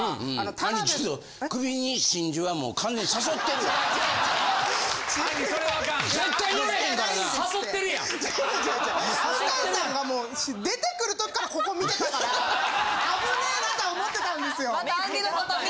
ダウンタウンさんがもう出てくる時からここ見てたから危ねぇなとは思ってたんですよ。